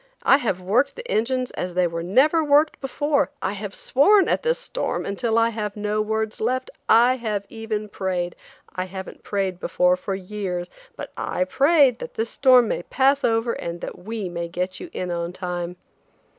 I have worked the engines as they never were worked before; I have sworn at this storm until I have no words left; I have even prayed–I haven't prayed before for years–but I prayed that this storm may pass over and that we may get you in on time."